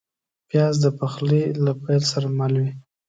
پیاز د پخلي له پیل سره مل وي